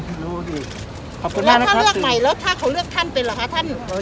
แล้วถ้าเลือกใหม่แล้วถ้าเขาเลือกท่านเป็นเหรอคะท่าน